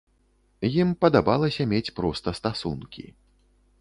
Ім падабалася мець проста стасункі.